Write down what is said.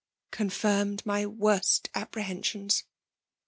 confirmed my worst ap prehensions.